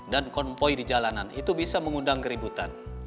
dan konvoy di jalanan itu bisa mengundang keributan